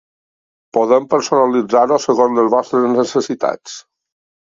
Podem personalitzar-ho segons les vostres necessitats.